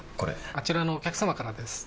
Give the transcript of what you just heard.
あちらのお客様からです。